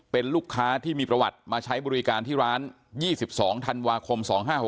เป็นลูกค้าที่มีประวัติมาใช้บริการที่ร้าน๒๒ธันวาคม๒๕๖๖